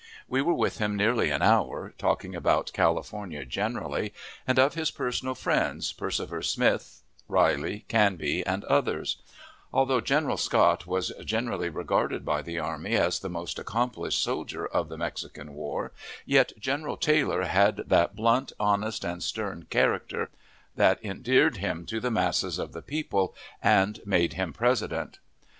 We were with him nearly an hour, talking about California generally, and of his personal friends, Persifer Smith, Riley, Canby, and others: Although General Scott was generally regarded by the army as the most accomplished soldier of the Mexican War, yet General Taylor had that blunt, honest, and stern character, that endeared him to the masses of the people, and made him President.